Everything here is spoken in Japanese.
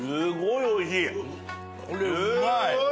これうまい。